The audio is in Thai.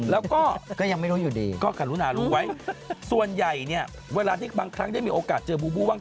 แล้วก็การุนารู้ไว้ส่วนใหญ่เนี่ยเวลาที่บางครั้งได้มีโอกาสเจอบูบูบ้าง